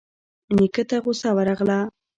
نيکه ته غوسه ورغله.